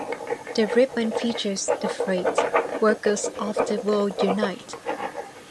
The ribbon features the phrase Workers of the World, Unite!